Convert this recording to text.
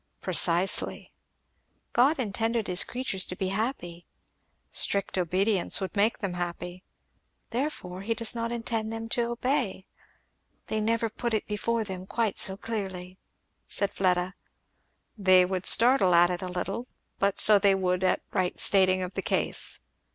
"Precisely. "'God intended his creatures to be happy. "'Strict obedience would make them unhappy. "'Therefore, he does not intend them to obey.'" "They never put it before them quite so clearly," said Fleda. "They would startle at it a little. But so they would at the right stating of the case."